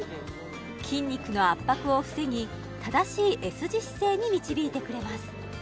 筋肉の圧迫を防ぎ正しいＳ字姿勢に導いてくれます